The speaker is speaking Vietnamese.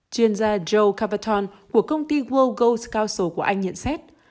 chuyên gia joe cavatone của công ty world gold council của anh nhận xét